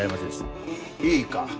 いいか？